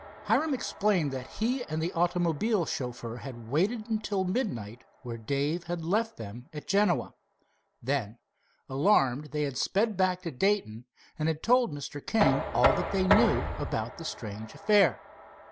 Hiram explained that he and the automobile chauffeur had waited till midnight where Dave had left them at Genoa. Then, alarmed they had sped back to Dayton and had told Mr. King all they knew about the strange affair. "Mr.